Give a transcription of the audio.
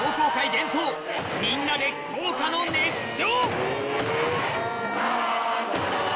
伝統みんなで校歌の熱唱！